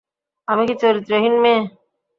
আমি কি চরিত্রহীন মেয়ে?